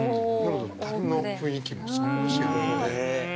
樽の雰囲気も少しあるので。